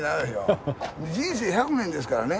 人生１００年ですからね。